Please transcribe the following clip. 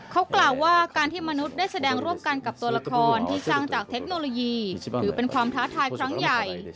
เขากล่าวว่าการที่มนุษย์ได้แสดงร่วมกันกับตัวละครที่สร้างจากเทคโนโลยีถือเป็นความท้าทายครั้งใหญ่